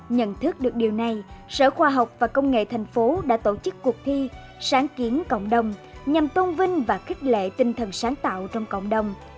nhận thức được điều này sở khoa học và công nghệ thành phố đã tổ chức cuộc thi sáng kiến cộng đồng nhằm tôn vinh và khích lệ tinh thần sáng tạo trong cộng đồng